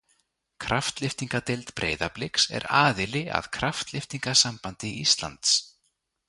Kraftlyftingadeild Breiðabliks er aðili að Kraftlyftingasambandi Íslands.